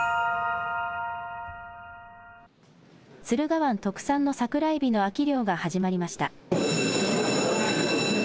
駿河湾特産のサクラエビの秋漁が始まりました。